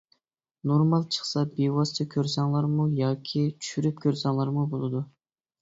نورمال چىقسا بىۋاسىتە كۆرسەڭلارمۇ ياكى چۈشۈرۈپ كۆرسەڭلارمۇ بولىدۇ.